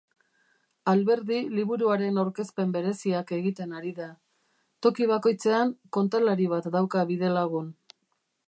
Alberdi liburuaren aurkezpen bereziak egiten ari da: toki bakoitzean kontalari bat dauka bidelagun.